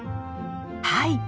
はい。